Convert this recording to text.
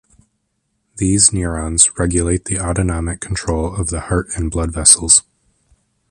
These neurons then regulate the autonomic control of the heart and blood vessels.